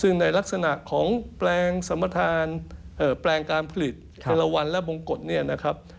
ในลักษณะของแปลงการผลิตตลาดและบำกด